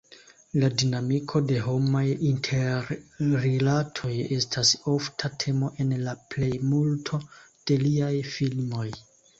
La dinamiko de homaj interrilatoj estas ofta temo en la plejmulto de liaj filmoj.